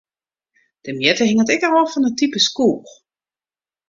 De mjitte hinget ek ôf fan it type skoech.